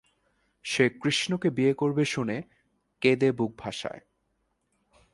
সে কৃষ্ণকে বিয়ে করবে শুনে কেঁদে বুক ভাসায়।